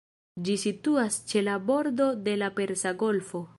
Ĝi situas ĉe la bordo de la Persa Golfo.